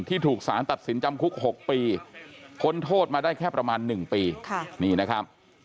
ถูกสารตัดสินจำคุก๖ปีพ้นโทษมาได้แค่ประมาณ๑ปีนี่นะครับ